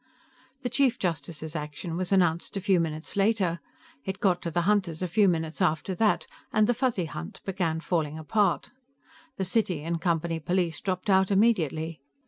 The Chief Justice's action was announced a few minutes later; it got to the hunters a few minutes after that and the Fuzzy hunt began falling apart. The City and Company police dropped out immediately.